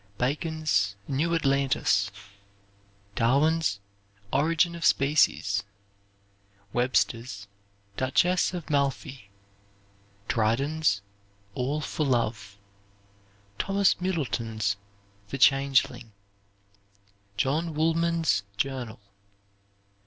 Bacon's "New Atlantis." Darwin's "Origin of Species." Webster's "Duchess of Malfi." Dryden's "All for Love." Thomas Middleton's "The Changeling." John Woolman's Journal.